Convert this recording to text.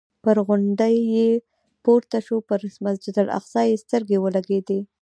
پر غونډۍ چې پورته شو پر مسجد الاقصی یې سترګې ولګېدې.